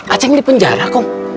acem dipenjara kum